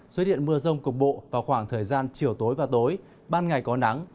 xuất hiện mưa rông cục bộ vào khoảng thời gian chiều tối và tối ban ngày có nắng